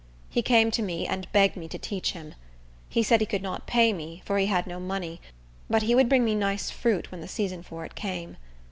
He came to me, and begged me to teach him. He said he could not pay me, for he had no money; but he would bring me nice fruit when the season for it came.